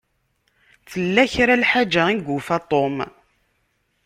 Tella kra n lḥaǧa i yufa Tom.